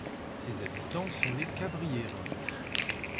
Ses habitants sont les Cabriérains.